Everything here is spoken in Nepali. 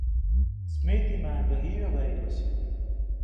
स्मृतिमा गहिरो गरी बस्यो!